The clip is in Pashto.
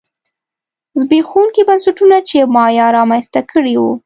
زبېښونکي بنسټونه چې مایا رامنځته کړي وو